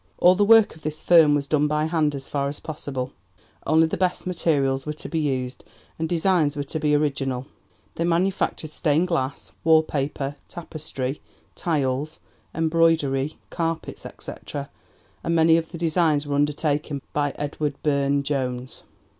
All the work of this firm was done by hand as far as possible; only the best materials were to be used and designs were to be original. They manufactured stained glass, wall paper, tapestry, tiles, embroidery, carpets, etc., and many of the designs were undertaken by Edward Burne Jones.